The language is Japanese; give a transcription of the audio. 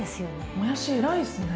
もやし偉いっすね。